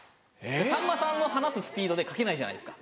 さんまさんの話すスピードで書けないじゃないですか。